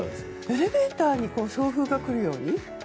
エレベーターに送風が来るように？